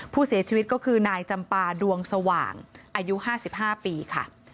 ผู้เสียชีวิตก็คือนายจำปาดวงสว่างอายุ๕๕ปีค่ะ